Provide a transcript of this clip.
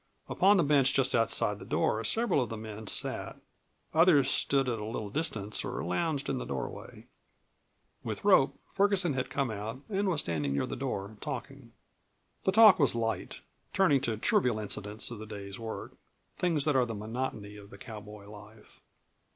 Upon the bench just outside the door several of the men sat; others stood at a little distance, or lounged in the doorway. With Rope, Ferguson had come out and was standing near the door, talking. The talk was light, turning to trivial incidents of the day's work things that are the monotony of the cowboy life.